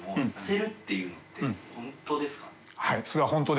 はい。